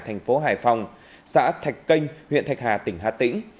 thành phố hải phòng xã thạch canh huyện thạch hà tỉnh hà tĩnh